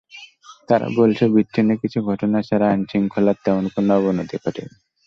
তারা বলছে, বিচ্ছিন্ন কিছু ঘটনা ছাড়া আইনশৃঙ্খলার তেমন কোনো অবনতি ঘটেনি।